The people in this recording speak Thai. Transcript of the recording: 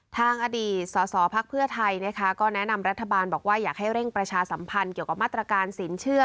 ทางอดีตสสพักเพื่อไทยนะคะก็แนะนำรัฐบาลบอกว่าอยากให้เร่งประชาสัมพันธ์เกี่ยวกับมาตรการสินเชื่อ